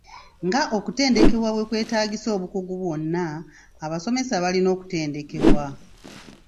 Nga okutendekebwa bwe kwetaagisa obukugu bwonna, abasomesa balina okutendekebwa.